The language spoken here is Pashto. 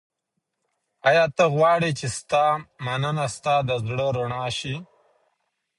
ایا ته غواړې چي ستا مننه ستا د زړه رڼا سي؟